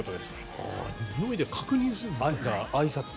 においで確認するんだ。